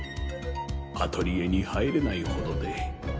アトリエに入れないほどで。